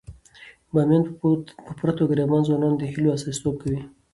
بامیان په پوره توګه د افغان ځوانانو د هیلو استازیتوب کوي.